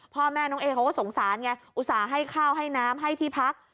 พ่อแม่น้องเอเขาก็สงสารไงอุตส่าห์ให้ข้าวให้น้ำให้ที่พัก